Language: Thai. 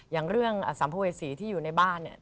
อย่างเรื่องสัมภเวษีที่อยู่ในบ้านเนี่ย